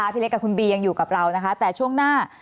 พี่เล็กกับคุณบียังอยู่กับเรานะคะแต่ช่วงหน้า